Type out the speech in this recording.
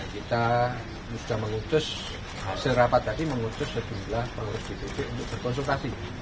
kita sudah mengutus hasil rapat tadi mengutus sejumlah pengurus dpp untuk berkonsultasi